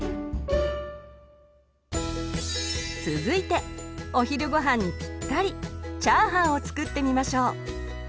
続いてお昼ごはんにピッタリチャーハンを作ってみましょう。